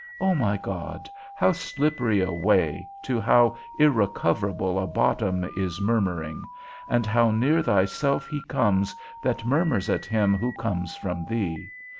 O my God, how slippery a way, to how irrecoverable a bottom, is murmuring; and how near thyself he comes, that murmurs at him who comes from thee!